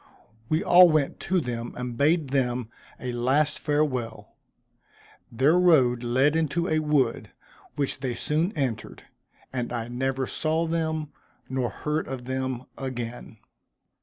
We all went to them, and bade them a last farewell. Their road led into a wood, which they soon entered, and I never saw them nor heard of them again.